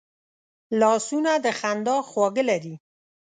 لاسونه د خندا خواږه لري